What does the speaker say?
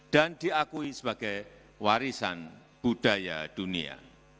dan diakui sebagai warisan budaya dunia